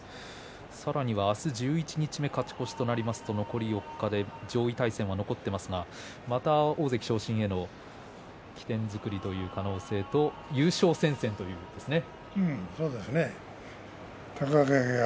さらには明日十一日目勝ち越しとなりますと残り４日で上位対戦は残っていますがまた大関昇進への起点作りの可能性とそうですね。